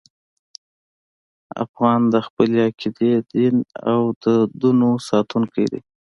افغان د خپلې عقیدې، دین او دودونو ساتونکی دی.